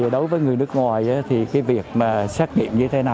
đối với người nước ngoài thì việc xét nghiệm như thế này